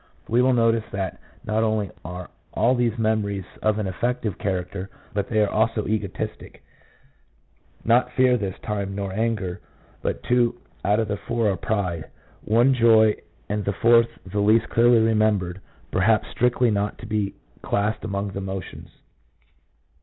We will notice that not only are all these memories of an affective character, but they are also egotistic ; not fear this time, nor anger, but two out of the four are pride, one joy, and the fourth, the least clearly remembered, perhaps strictly not to be classed among the emotions.